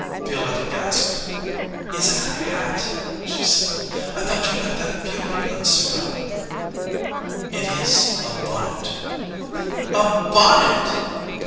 Violetta gasped. "Is it a hat?" she said. "I thought you had that beauty, Aunt Sarah." "It is a bonnet." "A bonnet!"